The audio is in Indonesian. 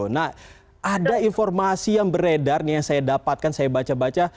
nah ada informasi yang beredar nih yang saya dapatkan saya baca baca